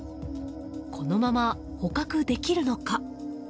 このまま捕獲できるのか。